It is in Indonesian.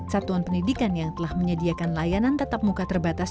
satuan pendidikan yang telah menyediakan layanan tatap muka terbatas